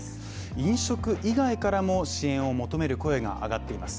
飲食以外からも支援を求める声が上がっています。